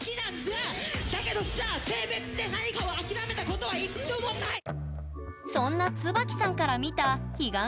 だけどさ性別で何かを諦めたことは一度もないそんな椿さんから見た彼岸さんのラップは？